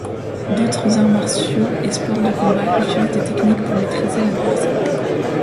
D'autres arts martiaux et sports de combat utilisent des techniques pour maîtriser l'adversaire.